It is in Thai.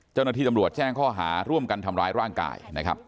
เจ้าหน้าที่ตำรวจแจ้งข้อหาร่วมกันทำร้ายร่างกายนะครับ